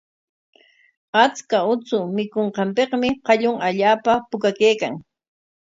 Achka uchu mikunqanpikmi qallun allaapa puka kaykan.